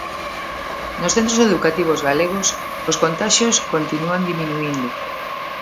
Nos centros educativos galegos os contaxios continúan diminuíndo.